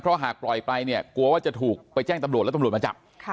เพราะว่าหากปล่อยไปกลัวว่าจะถูกไปแจ้งตำรวจแล้วตำรวจมาจับ